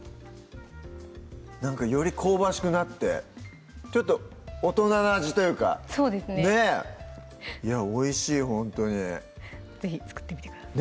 なんかより香ばしくなってちょっと大人な味というかおいしいほんとに是非作ってみてください